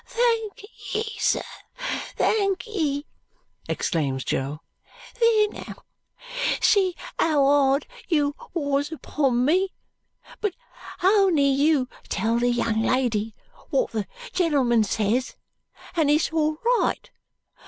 "Thankee, sir, thankee!" exclaims Jo. "There now! See how hard you wos upon me. But ony you tell the young lady wot the genlmn ses, and it's all right.